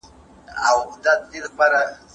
ما په مکتب کي ډېر څه زده کړل.